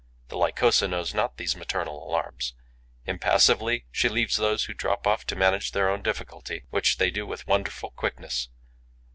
The Lycosa knows not these maternal alarms. Impassively, she leaves those who drop off to manage their own difficulty, which they do with wonderful quickness.